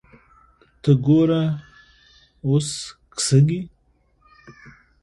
ته ګوره اوس کسږي